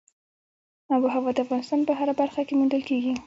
آب وهوا د افغانستان په هره برخه کې موندل کېږي.